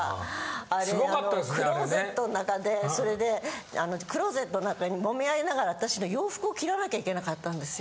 あれはもうクローゼットの中でそれでクローゼットの中にもみ合いながら私の洋服を切らなきゃいけなかったんですよ。